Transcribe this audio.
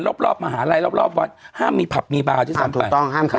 รอบรอบมหาลัยรอบรอบวันห้ามมีผับมีบาวที่สามไปถูกต้องห้ามขาย